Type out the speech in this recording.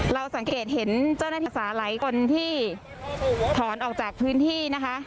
เราสังเกตเห็นเจ้าหน้าธิ๒๕คนที่ถอนออกจากพื้นที่นะคะ